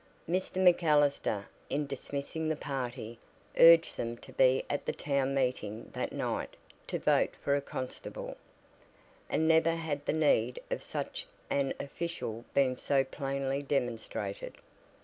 Mr. MacAllister, in dismissing the party, urged them to be at the town meeting that night to vote for a constable, and never had the need of such an official been so plainly demonstrated.